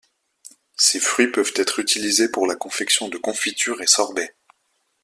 Ses fruits peuvent être utilisés pour la confection de confitures et sorbets.